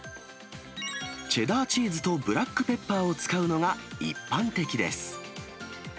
チェダーチーズとブラックペッパーを使うのが一般的です。